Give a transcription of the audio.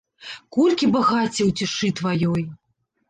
Колькі багацця ў цішы тваёй.